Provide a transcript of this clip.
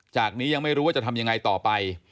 ยังไม่รู้ว่าจะทำยังไงต่อไป